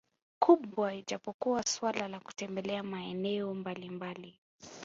kubwa ijapokuwa suala la kutembelea maeneo mbalimbali